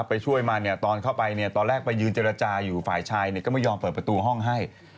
ไปช่วยมาเนี่ยตอนเข้าไปตอนแรกไปยืนเจรจาอยู่ฝ่ายชายก็ไม่ยอมเปิดประตูห้องให้